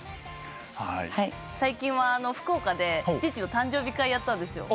最近は福岡でチッチの誕生日会やったんですよ。